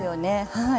はい。